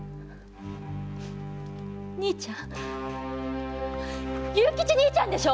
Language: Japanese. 兄ちゃん勇吉兄ちゃんでしょ